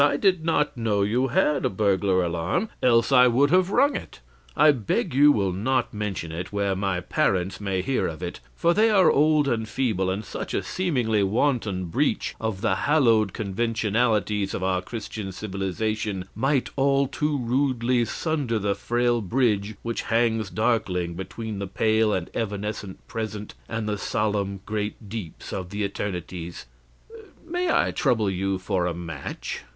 I did not know you had a burglar alarm, else I would have rung it. I beg you will not mention it where my parents may hear of it, for they are old and feeble, and such a seemingly wanton breach of the hallowed conventionalities of our Christian civilization might all too rudely sunder the frail bridge which hangs darkling between the pale and evanescent present and the solemn great deeps of the eternities. May I trouble you for a match?'